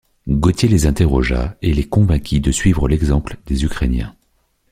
Gauthier les interrogeas et les convainquis de suivre l'exemple des ukrainiens.